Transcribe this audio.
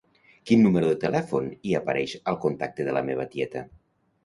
Quin número de telèfon hi apareix al contacte de la meva tieta?